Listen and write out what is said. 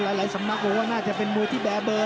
หลายสำนักบอกว่าน่าจะเป็นมวยที่แบร์เบอร์